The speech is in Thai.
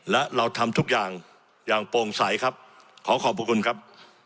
และเราทำทุกอย่างอย่างโปร่งใสครับขอขอบพระคุณครับ